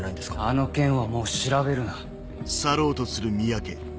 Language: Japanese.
あの件はもう調べるな。